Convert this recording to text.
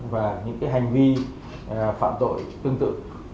và những hành vi phạm tội tương tự